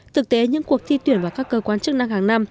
thực tế những cuộc thi tuyển vào các cơ quan chức năng hàng năm